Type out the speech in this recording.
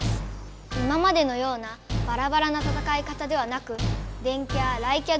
今までのようなバラバラな戦い方ではなく電キャ雷キャ